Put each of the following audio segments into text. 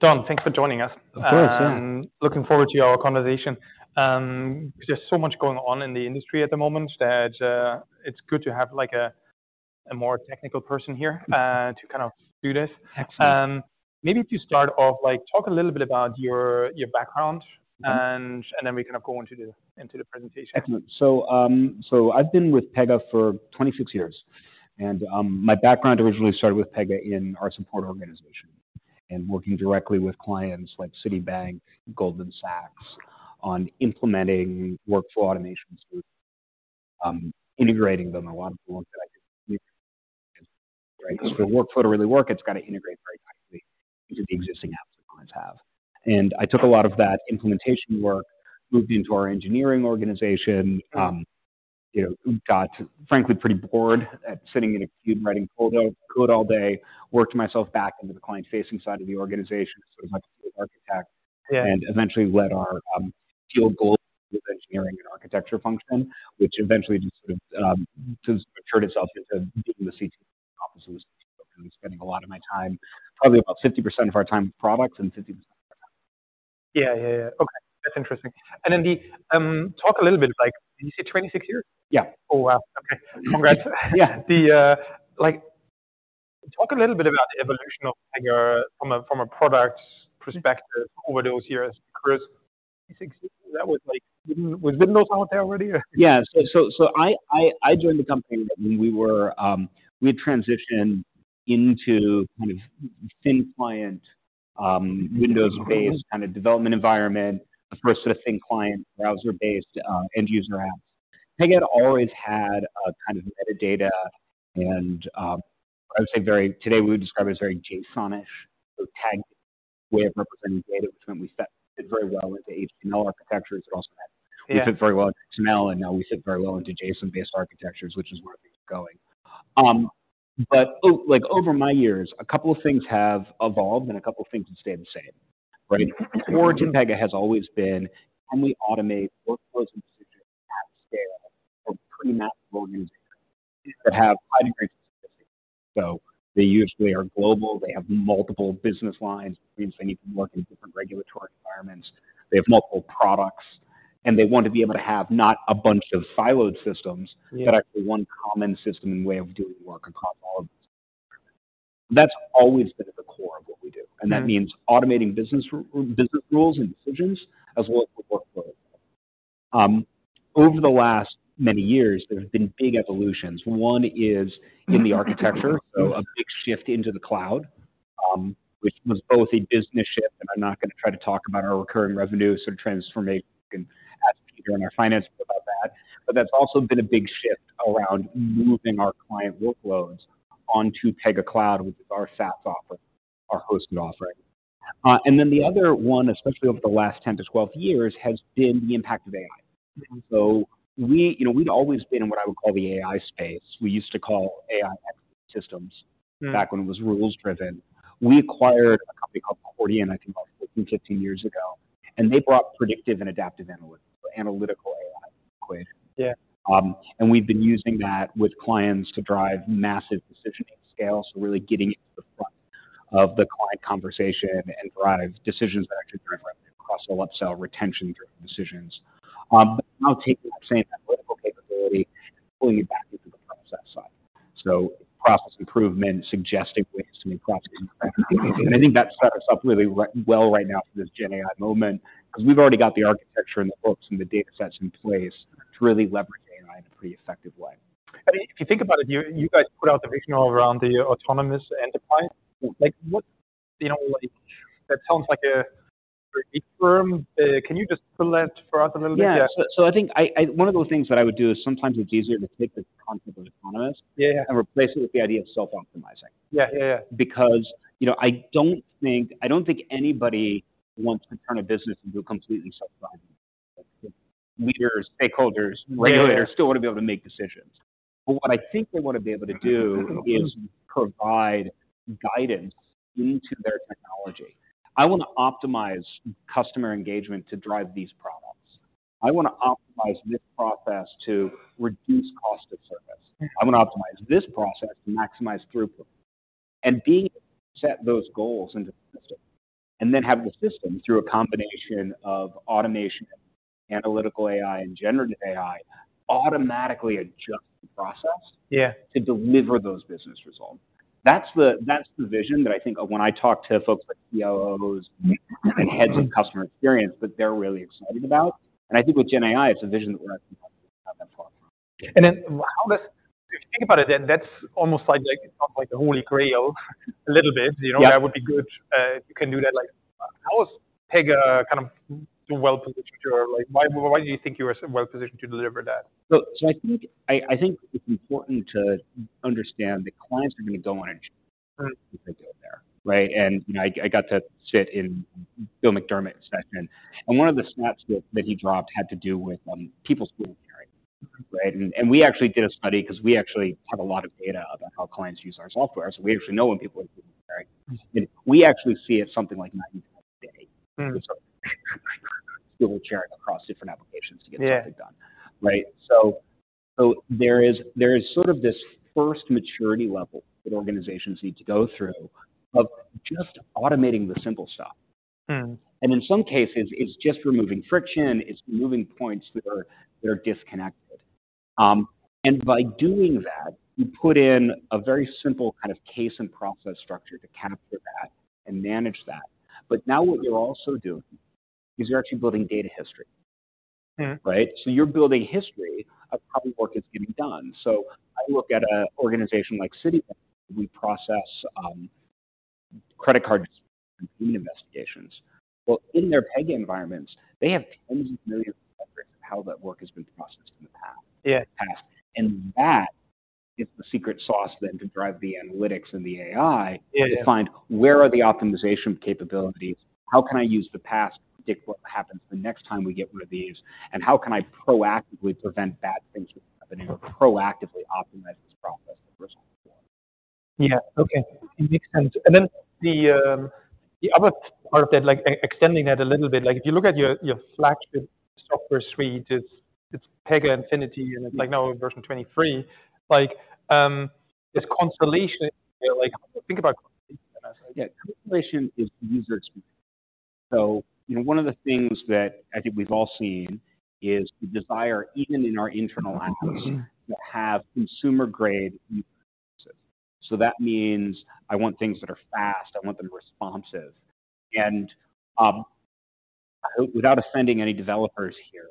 Don, thanks for joining us. Of course, yeah. Looking forward to our conversation. There's just so much going on in the industry at the moment that it's good to have, like, a more technical person here to kind of do this. Excellent. Maybe if you start off, like, talk a little bit about your background and then we kind of go into the presentation. Excellent. So I've been with Pega for 26 years, and my background originally started with Pega in our support organization and working directly with clients like Citibank, Goldman Sachs, on implementing workflow automation solutions, integrating them, a lot of the work that I did, right? Because for workflow to really work, it's got to integrate very tightly into the existing apps the clients have. And I took a lot of that implementation work, moved into our engineering organization. You know, got, frankly, pretty bored at sitting in a cube writing code all day. Worked myself back into the client-facing side of the organization, so as like a solution architect. Yeah. Eventually led our field [roles with engineering and architecture function, which eventually just sort of just turned itself into getting the CTO office. Spending a lot of my time, probably about 50% of our time, products, and 50% [inaudible] Yeah. Okay, that's interesting. And then talk a little bit, like, did you say 26 years? Yeah. Wow. Okay. Congrats. Yeah. Talk a little bit about the evolution of Pega from a product perspective over those years. Because that was like, was Windows out there already, or? Yeah. So I joined the company when we had transitioned into kind of thin client, Windows-based-kind of development environment. The first set of thin client, browser-based, end user apps. Pega had always had a kind of metadata and, I would say today we would describe it as very JSON-ish tagged way of representing data, which meant we fit very well into HTML architectures. Yeah. We fit very well into XML and now we fit very well into JSON-based architectures, which is where everything is going. But like, over my years, a couple of things have evolved and a couple of things have stayed the same, right? At origin, Pega has always been, can we automate workflows and decisions at scale for pretty manageable users that have high degrees of success? So they usually are global. They have multiple business lines, which means they need to work in different regulatory environments. They have multiple products, and they want to be able to have not a bunch of siloed systems. Yeah But actually one common system and way of doing work across all of them. That's always been at the core of what we do. That means automating business rules and decisions as well as the workflow. Over the last many years, there have been big evolutions. One is in the architecture, so a big shift into the cloud, which was both a business shift, and I'm not going to try to talk about our recurring revenue sort of transformation, ask Peter and our finances about that. But that's also been a big shift around moving our client workloads onto Pega Cloud, which is our SaaS offering, our hosted offering. And then the other one, especially over the last 10 to 12 years, has been the impact of AI. So we'd always been in what I would call the AI space. We used to call AI expert systems-back when it was rules-driven. We acquired a company called Chordiant, I think, about 15 years ago, and they brought predictive and adaptive analytical AI to the equation. Yeah. And we've been using that with clients to drive massive decisioning scale, so really getting into the front of the client conversation and drive decisions that actually drive revenue across the upsell, retention-driven decisions. But now taking that same analytical capability and pulling it back into the process side. So process improvement, suggestive ways to make process improvement. I think that sets us up really well right now for this Gen AI moment, because we've already got the architecture and the books and the datasets in place to really leverage AI in a pretty effective way. If you think about it, you guys put out the vision all around the Autonomous Enterprise. Like, what that sounds like a very firm. Can you just pull that for us a little bit? Yeah. So, I think one of the things that I would do is sometimes it's easier to take the concept of autonomous-and replace it with the idea of self-optimizing. Because, you know, I don't think, I don't think anybody wants to turn a business into a completely self-running. Leaders, stakeholders-Still want to be able to make decisions. But what I think they want to be able to do is provide guidance into their technology. I want to optimize customer engagement to drive these problems. I want to optimize this process to reduce cost of service. I want to optimize this process to maximize throughput. Being able to set those goals into the system, and then have the system, through a combination of automation, Analytical AI, and Generative AI, automatically adjust the process. To deliver those business results. That's the vision that I think of when I talk to folks like COOs and heads of customer experience, that they're really excited about. And I think with Gen AI, it's a vision that we're not that far from. And then if you think about it, then that's almost like the Holy Grail, a little bit. You know, that would be good, if you can do that. How is Pega kind of well-positioned to or why do you think you are well positioned to deliver that? I think it's important to understand that clients are going to go on a journey if they go there, right? And, you know, I got to sit in Bill McDermott session, and one of the stats that he dropped had to do with people's voluntary, right? And we actually did a study because we actually have a lot of data about how clients use our software, so we actually know when people are. We actually see it something like 90-day. Double checking across different applications to get something done. Right? So there is sort of this first maturity level that organizations need to go through of just automating the simple tasks. In some cases, it's just removing friction, it's removing points that are, that are disconnected. By doing that, you put in a very simple kind of case and process structure to capture that and manage that. But now what you're also doing is you're actually building data history. Right? So you're building history of how the work is getting done. So I look at an organization like Citibank. We process credit card investigations. Well, in their Pega environments, they have tens of millions of records of how that work has been processed in the past. That is the secret sauce then to drive the analytics and the AI. Yeah. To find where are the optimization capabilities? How can I use the past to predict what happens the next time we get one of these? And how can I proactively prevent bad things from happening or proactively optimize this process going forward? Yeah. Okay, it makes sense. And then the other part of that, like extending that a little bit, like, if you look at your flagship software suite, it's Pega Infinity, and it's like now in version 23. Like, this Constellation, like, think about Constellation. Yeah, Constellation is user experience. So, you know, one of the things that I think we've all seen is the desire, even in our internal lives to have consumer-grade user experiences. So that means I want things that are fast, I want them responsive. And, without offending any developers here,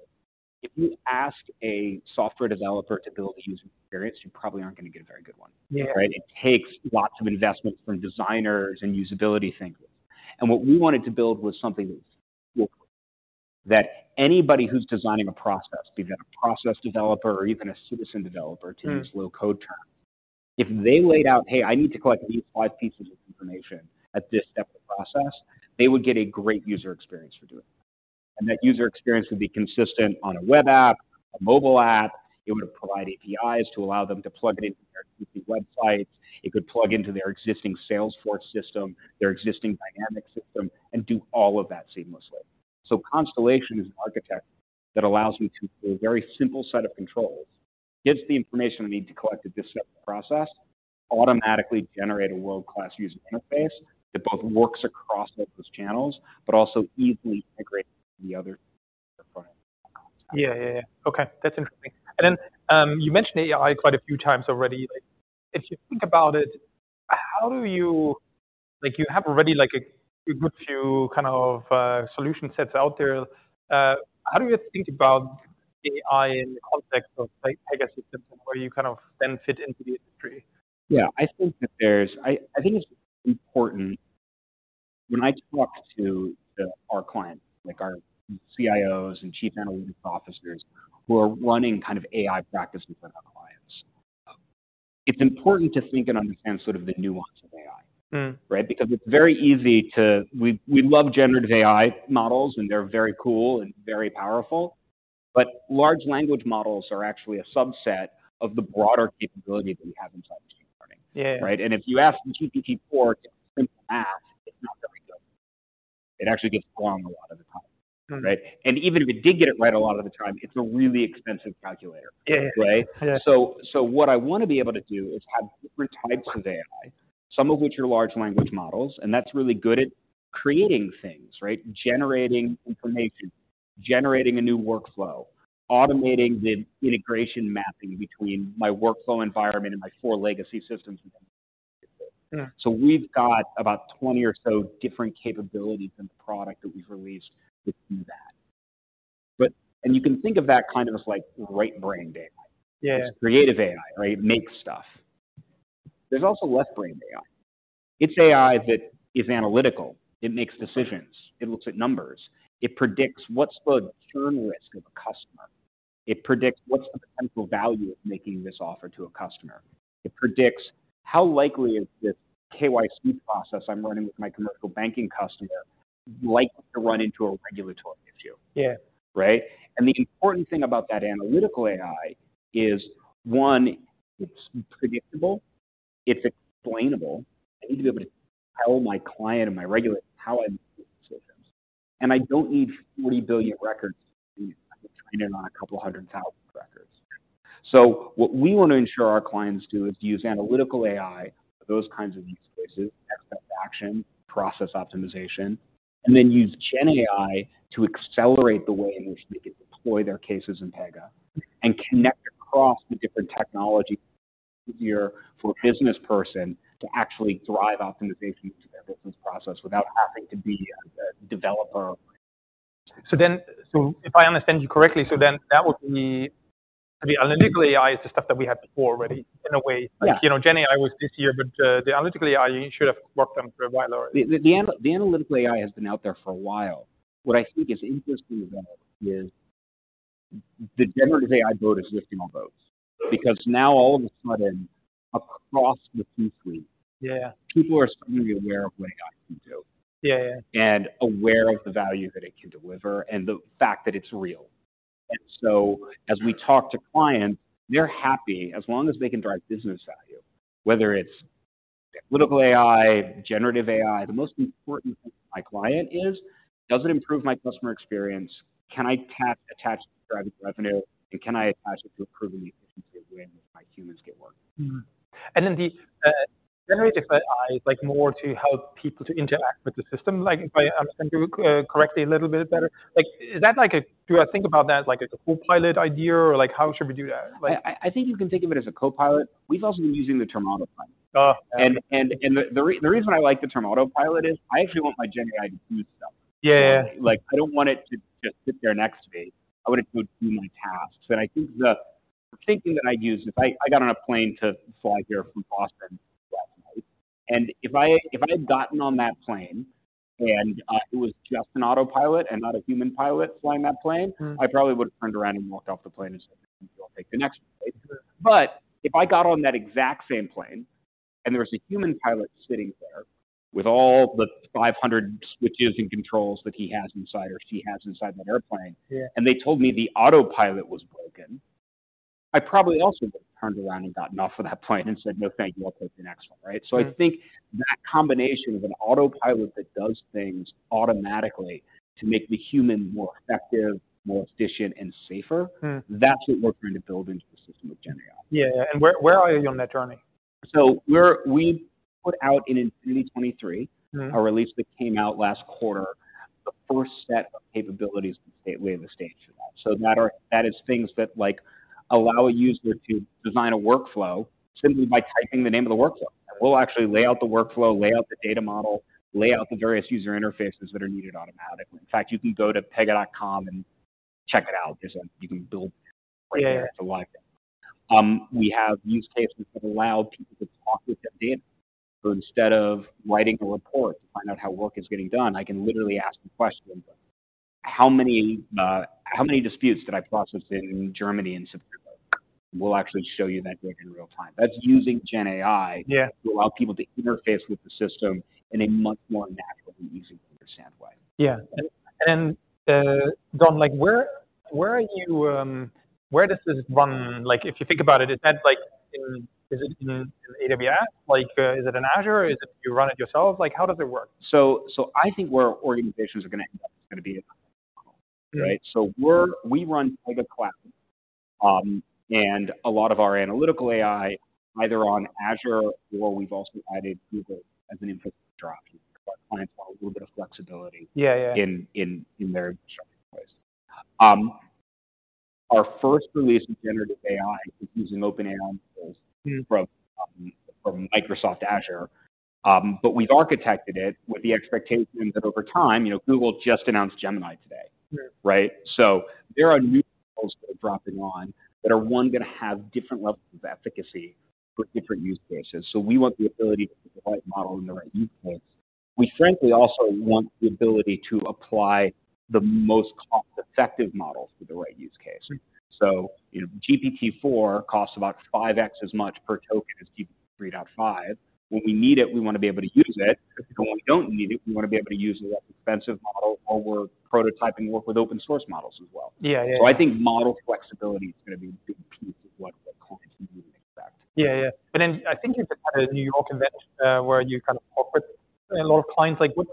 if you ask a software developer to build a user experience, you probably aren't going to get a very good one. Yeah. Right? It takes lots of investments from designers and usability thinkers. And what we wanted to build was something that anybody who's designing a process, be that a process developer or even a citizen developer to use low-code term. If they laid out, "Hey, I need to collect these five pieces of information at this step of the process," they would get a great user experience for doing it. And that user experience would be consistent on a web app, a mobile app. It would provide APIs to allow them to plug it into their existing websites. It could plug into their existing Salesforce system, their existing Dynamics system, and do all of that seamlessly. So Constellation is an architecture that allows me to create a very simple set of controls, gives the information I need to collect at this step of the process, automatically generate a world-class user interface that both works across all those channels, but also easily integrates the other products. Yeah. Okay, that's interesting. And then, you mentioned AI quite a few times already. Like, if you think about it, you have already like a good few kind of solution sets out there. How do you think about AI in the context of, like, Pegasystems and where you kind of then fit into the industry? Yeah, I think it's important when I talk to our clients, like our CIOs and chief analytics officers who are running kind of AI practices for their clients. It's important to think and understand sort of the nuance of AI.Right? Because it's very easy, we love generative AI models, and they're very cool and very powerful, but large language models are actually a subset of the broader capability that we have inside machine learning. Yeah. Right? And if you ask GPT-4 to simple math, it's not very good. It actually gets it wrong a lot of the time. Right? And even if it did get it right a lot of the time, it's a really expensive calculator. Yeah. Right? Yeah. So, what I want to be able to do is have different types of AI, some of which are large language models, and that's really good at creating things, right? Generating information, generating a new workflow, automating the integration mapping between my workflow environment and my four legacy systems So we've got about 20 or so different capabilities in the product that we've released to do that. But—and you can think of that kind of as like right-brain data. Yeah. It's creative AI, right? It makes stuff. There's also left-brain AI. It's AI that is analytical, it makes decisions, it looks at numbers. It predicts what's the churn risk of a customer. It predicts what's the potential value of making this offer to a customer. It predicts how likely is this KYC process I'm running with my commercial banking customer likely to run into a regulatory issue? Yeah. Right? And the important thing about that analytical AI is, one, it's predictable, it's explainable. I need to be able to tell my client and my regulator how I make decisions, and I don't need 40 billion records. I can train it on a couple hundred thousand records. So what we want to ensure our clients do is use analytical AI for those kinds of use cases, next best action, process optimization, and then use gen AI to accelerate the way in which they could deploy their cases in Pega and connect across the different technologies here for a business person to actually drive optimization into their business process without having to be a developer. So then, so if I understand you correctly, so that would be the Analytical AI is the stuff that we had before already in a way. Yeah. Like, you know, Gen AI was this year, but the analytical AI you should have worked on for a while, or? The analytical AI has been out there for a while. What I think is interesting about it is the Generative AI boat is lifting all boats. Because now all of a sudden, across the C-suite. Yeah People are suddenly aware of what AI can do. Yeah. Aware of the value that it can deliver and the fact that it's real. So as we talk to clients, they're happy as long as they can drive business value, whether it's practical AI, generative AI, the most important thing to my client is: Does it improve my customer experience? Can I tap attach driving revenue, and can I attach it to improving the efficiency of when my humans get work? And then the Generative AI, like, more to help people to interact with the system, like, if I understand you correctly a little bit better. Do I think about that as, like, a copilot idea, or like, how should we do that? I think you can think of it as a copilot. We've also been using the term autopilot. Oh, yeah. The reason I like the term autopilot is I actually want my Gen AI to do stuff. Yeah. Like, I don't want it to just sit there next to me. I want it to do my tasks. And I think the thinking that I use is I got on a plane to fly here from Boston last night, and if I had gotten on that plane and it was just an autopilot and not a human pilot flying that plane-I probably would have turned around and walked off the plane and said, "I'll take the next plane. But if I got on that exact same plane, and there was a human pilot sitting there with all the 500 switches and controls that he has inside or she has inside that airplane. Yeah And they told me the autopilot was broken, I probably also would've turned around and gotten off of that plane and said, "No, thank you. I'll take the next one." Right? Yeah. I think that combination of an autopilot that does things automatically to make the human more effective, more efficient, and safer. That's what we're trying to build into the system with Gen AI. Yeah, and where are you on that journey? So we put out in 2023, a release that came out last quarter, the first set of capabilities that we have staged. So that is things that, like, allow a user to design a workflow simply by typing the name of the workflow. We'll actually lay out the workflow, lay out the data model, lay out the various user interfaces that are needed automatically. In fact, you can go to Pega.com and check it out. There's a, you can build. Yeah, It's a lot of things. We have use cases that allow people to talk with their data. So instead of writing a report to find out how work is getting done, I can literally ask a question, how many disputes did I process in Germany in September? We'll actually show you that break in real time. That's using Gen AI. Yeah To allow people to interface with the system in a much more natural and easy to understand way. Yeah. And, Don, like, where, where are you, where does this run? Like, if you think about it, is that like in AWS? Like, is it in Azure, or is it you run it yourself? Like, how does it work? So, I think where organizations are going to end up, it's going to be. Right? So we run Pega Cloud, and a lot of our Analytical AI, either on Azure or we've also added Google as an infrastructure option. Our clients want a little bit of flexibility- Yeah -in their structure choice. Our first release of Generative AI is using OpenAI models from Microsoft Azure. But we've architected it with the expectation that over time, you know, Google just announced Gemini today. Right? So there are new models that are dropping on that are, one, going to have different levels of efficacy for different use cases. So we want the ability to provide model in the right use case. We frankly also want the ability to apply the most cost-effective models for the right use case. You know, GPT-4 costs about 5x as much per token as GPT-3.5. When we need it, we want to be able to use it, but when we don't need it, we want to be able to use a less expensive model while we're prototyping work with open source models as well. Yeah. I think model flexibility is going to be a big piece of what the clients need to expect. Yeah, yeah. And then I think you said at a New York event, where you kind of court a lot of clients, like, are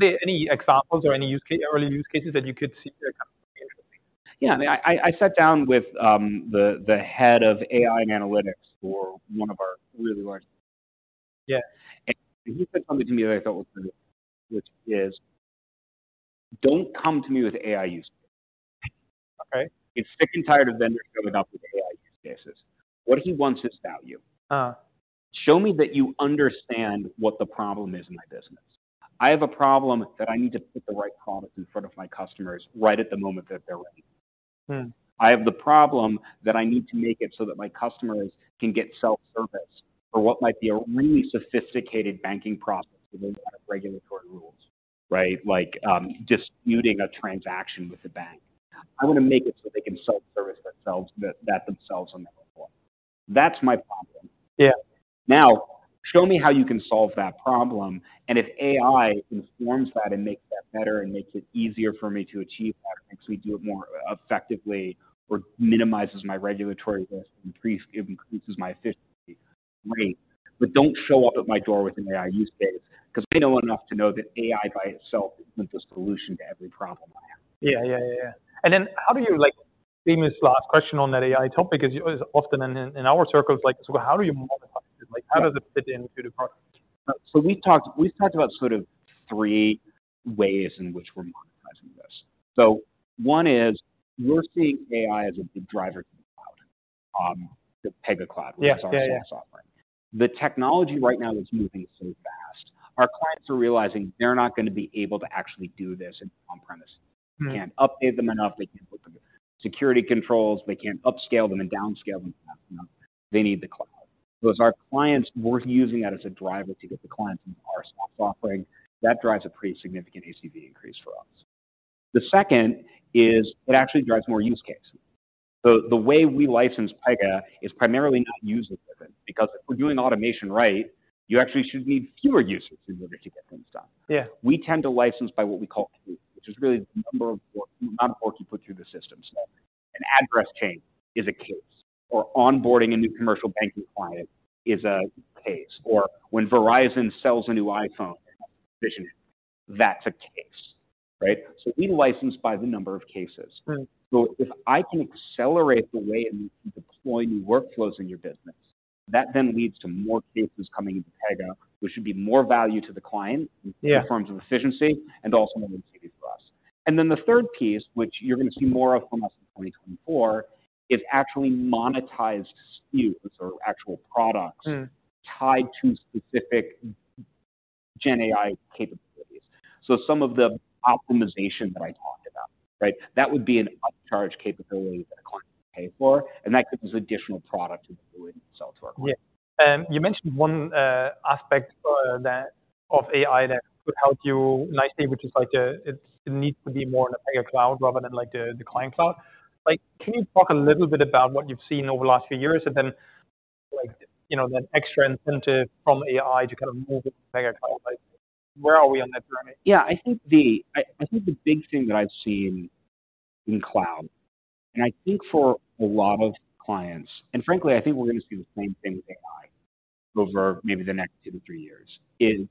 there any examples or any early use cases that you could see that are kind of interesting? Yeah. I sat down with the head of AI and analytics for one of our really large- Yeah. He said something to me that I thought was, which is, "Don't come to me with AI use. Okay. It's sick and tired of vendors coming up with AI use cases." What he wants is value. Show me that you understand what the problem is in my business. I have a problem that I need to put the right product in front of my customers right at the moment that they're ready. I have the problem that I need to make it so that my customers can get self-service for what might be a really sophisticated banking process with a lot of regulatory rules, right? Like, disputing a transaction with the bank. I want to make it so they can self-service themselves, themselves on their phone. That's my problem. Yeah. Now, show me how you can solve that problem, and if AI informs that and makes that better, and makes it easier for me to achieve that, makes me do it more effectively, or minimizes my regulatory risk, increases my efficiency, great. But don't show up at my door with an AI use case, because I know enough to know that AI by itself isn't the solution to every problem I have. Yeah. Maybe this last question on that AI topic, because it is often in our circles, like, so how do you monetize it? Like, how does it fit in to the product? We talked, we've talked about sort of three ways in which we're monetizing this. One is, we're seeing AI as a driver to cloud, the Pega Cloud- Yeah.... which is our software. The technology right now is moving so fast. Our clients are realizing they're not going to be able to actually do this on premise. Can't update them enough, they can't put them in security controls, they can't upscale them and downscale them enough. They need the cloud. So as our clients, we're using that as a driver to get the clients into our software. That drives a pretty significant ACV increase for us. The second is it actually drives more use cases. So the way we license Pega is primarily not user-driven, because if we're doing automation right, you actually should need fewer users in order to get things done. Yeah. We tend to license by what we call throughput, which is really the number of work, amount of work you put through the system. An address change is a case, or onboarding a new commercial banking client is a case, or when Verizon sells a new iPhone, that's a case, right? So we license by the number of cases. Right. So if I can accelerate the way in which you deploy new workflows in your business, that then leads to more cases coming into Pega, which should be more value to the client in terms of efficiency and also more security for us. And then the third piece, which you're gonna see more of from us in 2024, is actually monetized SKUs or actual products-Tied to specific Gen AI capabilities. So some of the optimization that I talked about, right? That would be an upcharge capability that a client would pay for, and that is additional product that we would sell to our client. Yeah. You mentioned one aspect of AI that would help you nicely, which is like it needs to be more in a Pega Cloud rather than like the client cloud. Like, can you talk a little bit about what you've seen over the last few years, and then, like, you know, that extra incentive from AI to kind of move it to Pega Cloud? Like, where are we on that journey? Yeah, I think the big thing that I've seen in cloud, and I think for a lot of clients, and frankly, I think we're gonna see the same thing with AI over maybe the next two to three years, is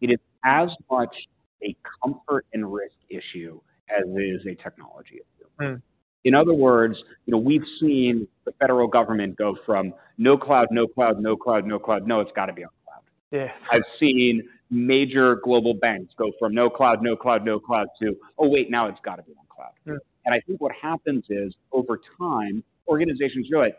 it is as much a comfort and risk issue as it is a technology issue. In other words, you know, we've seen the federal government go from, "No cloud, no cloud, no cloud, no cloud. No, it's got to be on cloud. Yeah. I've seen major global banks go from, "No cloud, no cloud, no cloud," to, "Oh, wait, now it's got to be on cloud. I think what happens is, over time, organizations realize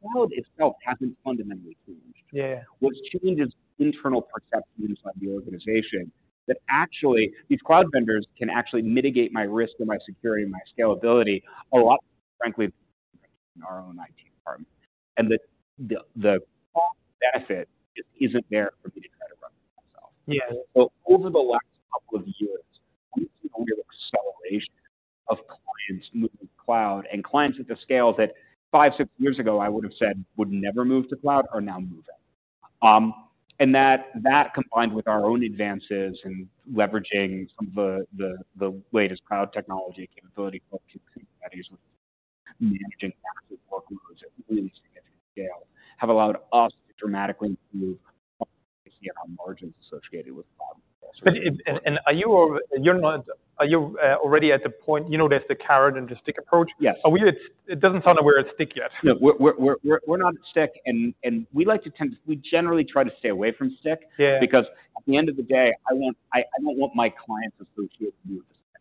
cloud itself hasn't fundamentally changed. Yeah. What's changed is internal perceptions by the organization, that actually these cloud vendors can actually mitigate my risk and my security and my scalability a lot, frankly, in our own IT department. The benefit isn't there for me to try to run it myself. Yeah. So over the last couple of years, we've seen a real acceleration of clients moving to cloud, and clients at the scale that five, six years ago I would have said would never move to cloud are now moving. And that combined with our own advances in leveraging some of the latest cloud technology capability workloads at really significant scale have allowed us to dramatically move our margins associated with cloud. Are you already at the point, you know, there's the carrot and the stick approach? Yes. Are we at it? It doesn't sound like we're at stick yet. No, we're not at stick, and we generally try to stay away from stick. Yeah. Because at the end of the day, I don't want my clients associated with us,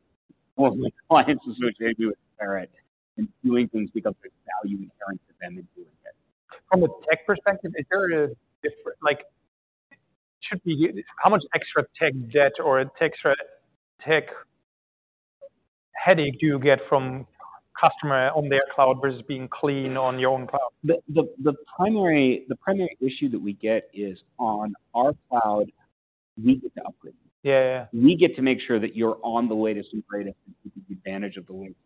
or my clients associated with carrot and doing things because there's value in doing it. From a tech perspective, how much extra tech debt or tech headache do you get from customer on their cloud versus being clean on your own cloud? The primary issue that we get is on our cloud, we get to upgrade. Yeah. We get to make sure that you're on the latest and greatest and taking advantage of the latest.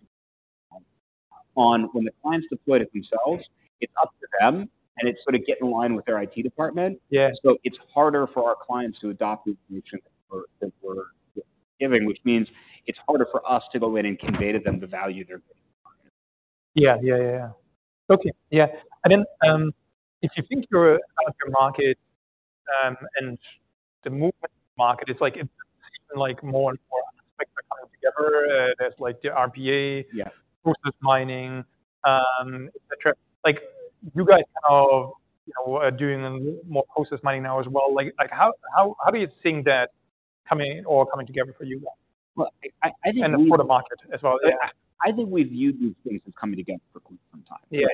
When the clients deploy it themselves, it's up to them, and it's gotta get in line with their IT department. Yeah. So it's harder for our clients to adopt the solution that we're giving, which means it's harder for us to go in and convey to them the value they're getting. Yeah. Yeah, yeah, yeah. Okay. Yeah. And then, if you think you're out of your market, and the movement market is like, it, like more and more coming together, as like the RPA- Yeah process mining, et cetera. Like, you guys are, you know, doing more process mining now as well. Like, how do you seeing that coming or coming together for you? Well, I think- For the market as well? Yeah. I think we view these things as coming together for some time. Yeah.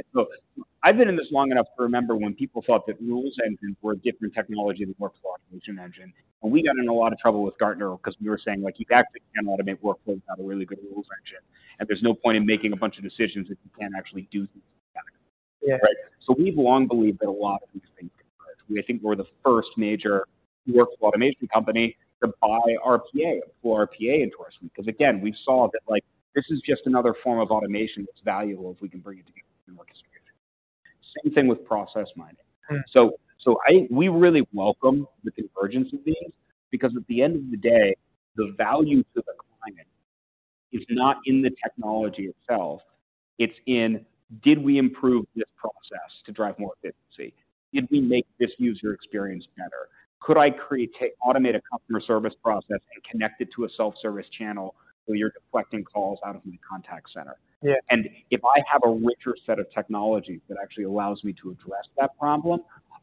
I've been in this long enough to remember when people thought that rules engines were a different technology that worked with automation engine. We got in a lot of trouble with Gartner because we were saying, like, you actually can automate workflows, have a really good rules engine, and there's no point in making a bunch of decisions if you can't actually do them. Yeah. Right? So we've long believed that a lot of these things. We think we're the first major workflow automation company to buy RPA for RPA endorsement. Because, again, we saw that, like, this is just another form of automation that's valuable if we can bring it together in one solution. Same thing with process mining. We really welcome the convergence of these, because at the end of the day, the value to the client is not in the technology itself, it's in: Did we improve this process to drive more efficiency? Did we make this user experience better? Could I create, automate a customer service process and connect it to a self-service channel, so you're deflecting calls out of the contact center? Yeah. If I have a richer set of technology that actually allows me to address that problem,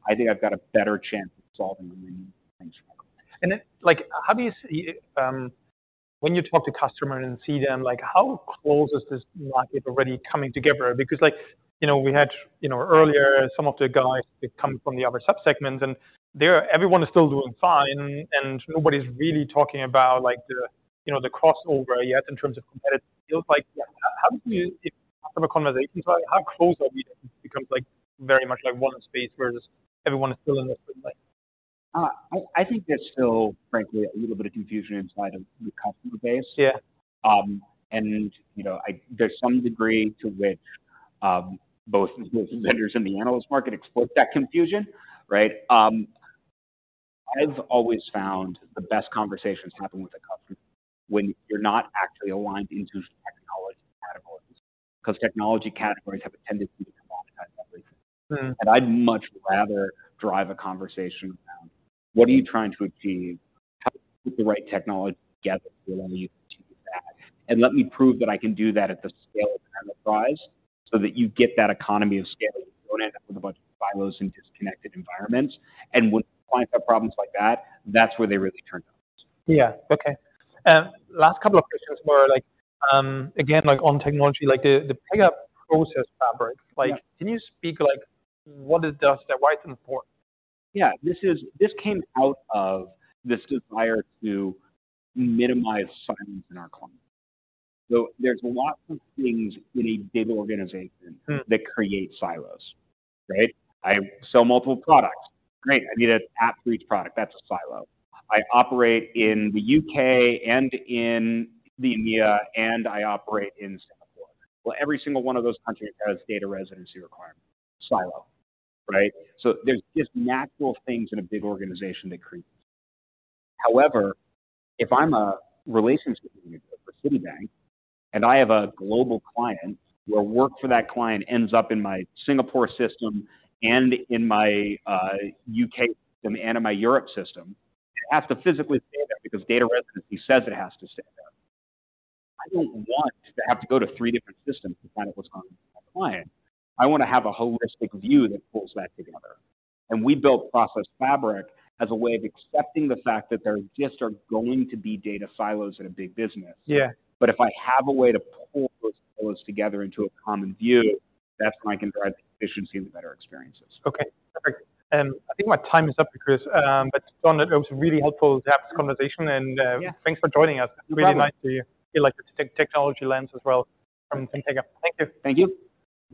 I think I've got a better chance of solving the main problem. And then, like, how do you see when you talk to customers and see them, like, how close is this market already coming together? Because like, you know, we had, you know, earlier, some of the guys that come from the other subsegments, and they're everyone is still doing fine, and nobody's really talking about, like, the, you know, the crossover yet in terms of competitive. Like, how do you, if have a conversation, how close are we to become, like, very much like one space versus everyone is still in this, like- I think there's still, frankly, a little bit of confusion inside of the customer base. Yeah. You know, there's some degree to which both the vendors in the analyst market exploit that confusion, right? I've always found the best conversations happen with a customer when you're not actually aligned into technology categories. Because technology categories have a tendency to commoditize everything. I'd much rather drive a conversation around what are you trying to achieve? How the right technology together will allow you to do that. Let me prove that I can do that at the scale and the price, so that you get that economy of scale, and you don't end up with a bunch of silos and disconnected environments. When clients have problems like that, that's where they really turn to us. Yeah. Okay. Last couple of questions were, like, again, like, on technology, like, the Pega Process Fabric- Yeah. Like, can you speak, like, what it does and why it's important? Yeah. This came out of this desire to minimize silos in our clients. So there's lots of things in a big organization. that create silos, right? I sell multiple products. Great, I need an app for each product. That's a silo. I operate in the UK and in the EMEA, and I operate in Singapore. Well, every single one of those countries has data residency requirements. Silo, right? So there's just natural things in a big organization that create silos. However, if I'm a relationship manager for Citibank, and I have a global client, where work for that client ends up in my Singapore system and in my UK system and in my Europe system, I have to physically stay there because data residency says it has to stay there. I don't want to have to go to three different systems to find out what's going on with my client. I want to have a holistic view that pulls that together, and we built Process Fabric as a way of accepting the fact that there just are going to be data silos in a big business. Yeah. But if I have a way to pull those silos together into a common view, that's my efficiency and the better experiences. Okay, perfect. I think my time is up, Chris, but it was, it was really helpful to have this conversation, and Yeah. Thanks for joining us. No problem. Really nice to hear, like, the technology lens as well from Pega. Thank you. Thank you.